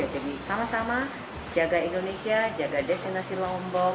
jadi sama sama jaga indonesia jaga definisi lombok